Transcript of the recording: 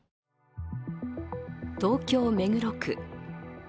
東京・目黒区。